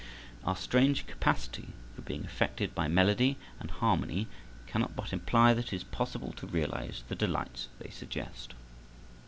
Our strange capacity for being affected by melody and harmony cannot but imply that it is possible to realize the delights they suggest.